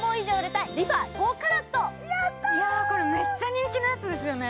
めっちゃ人気のやつですよね。